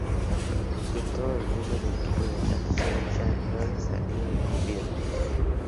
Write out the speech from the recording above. De todos los miembros del equipo de ataque, sólo Jack Bauer salió con vida.